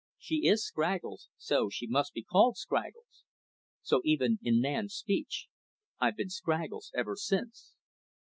She is Scraggles, so she must be called Scraggles." So, even in man's speech, I've been Scraggles ever since.